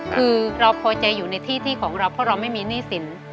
คือเราพอใจอยู่ในที่ที่ของเราเพราะเราไม่มีหนี้สิน